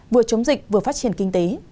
vừa chống dịch vừa phát triển kinh tế